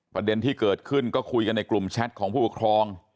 ประเด็นที่เกิดขึ้นก็คุยกันในกลุ่มแชทของผู้ปกครอง